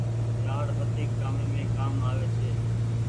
جآڙ وڌيڪ ڪآمي مين ڪآم آوي ڇي۔